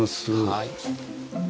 はい。